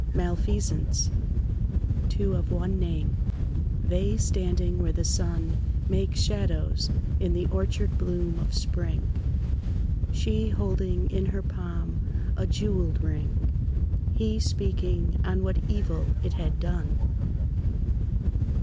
MALFEASANCE Two of one name; they standing where the sun Makes shadows in the orchard bloom of spring; She holding in her palm a jewelled ring, He speaking on what evil it had done.